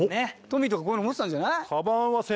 トミーとかこういうの持ってたんじゃない？